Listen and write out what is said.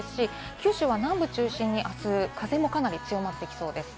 九州は南部を中心にあす風もかなり強まってきそうです。